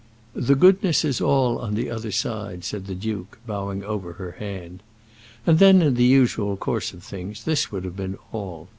"The goodness is all on the other side," said the duke, bowing over her hand. And then in the usual course of things this would have been all.